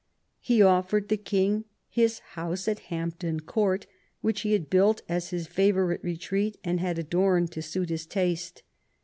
He offered the king his house at Hampton Court, which he had huilt as his favourite retreat, and had adorned to suit his taste.